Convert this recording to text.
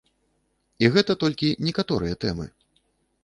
І гэта толькі некаторыя тэмы.